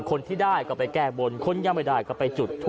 คนที่ได้ก็ไปแก้บนคนยังไม่ได้ก็ไปจุด